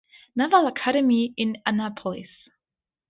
Naval Academy in Annapolis.